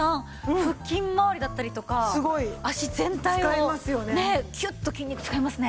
腹筋まわりだったりとか脚全体をキュッと筋肉使いますね。